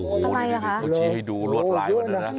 โอ้โฮนี่ก็ชี้ให้ดูรวดหลายกว่านั้นนะ